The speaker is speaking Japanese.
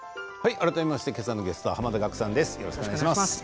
改めまして今朝のゲストは濱田岳さんです。